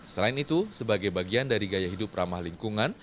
selain itu sebagai bagian dari gaya hidup ramah lingkungan